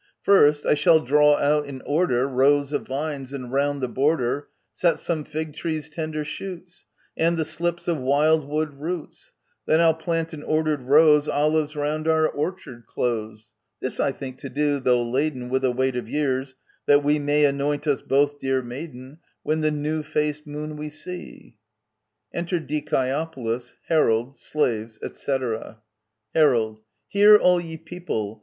First, I shall draw out in order Rows of vines, and round the border Set some fig trees' tender shoots, And the slips of wild wood roots. Then I'll plant in ordered rows Olives round our orchard close. This I think to do, though laden With a weight of years, that we May anoint us both, dear maiden, When the new faced moon we see. Enter DicjEOPolis, Herald, Slaves, etc. Her. Hear, all ye people !